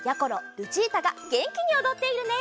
ルチータがげんきにおどっているね。